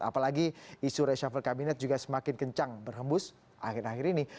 apalagi isu reshuffle kabinet juga semakin kencang berhembus akhir akhir ini